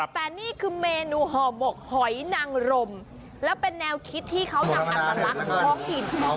แต่นี่คือเมนูห่อหมกหอยนางรมแล้วเป็นแนวคิดที่เขานำอัตลักษณ์ท้องถิ่น